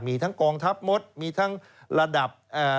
มีทั้งกองทัพมดมีทั้งระดับ